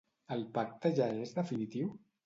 El pacte ja és definitiu?